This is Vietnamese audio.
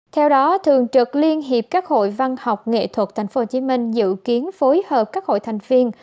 theo đó thường trực liên hiệp các hội văn học nghệ thuật tp hcm dự kiến phối hợp các hội thành viên